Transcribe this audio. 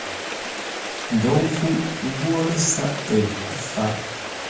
Ndou fuʼ ghwo lə́ sáʼ təʉ fáʼ.